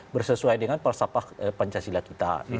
bersesuai dengan falsafah pancasila kita